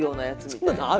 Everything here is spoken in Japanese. そんなのある？